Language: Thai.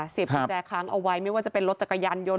กุญแจค้างเอาไว้ไม่ว่าจะเป็นรถจักรยานยนต